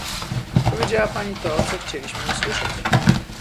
Powiedziała Pani to, co chcieliśmy usłyszeć